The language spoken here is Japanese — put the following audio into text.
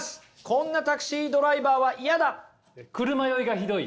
こんなタクシードライバーはイヤだ！